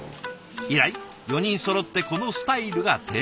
以来４人そろってこのスタイルが定番に。